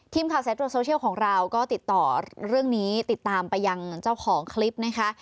สายตรวจโซเชียลของเราก็ติดต่อเรื่องนี้ติดตามไปยังเจ้าของคลิปนะคะ